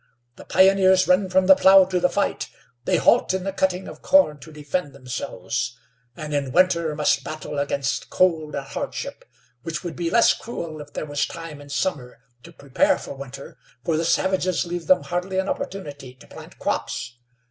The pioneers run from the plow to the fight; they halt in the cutting of corn to defend themselves, and in winter must battle against cold and hardship, which would be less cruel if there was time in summer to prepare for winter, for the savages leave them hardly an opportunity to plant crops.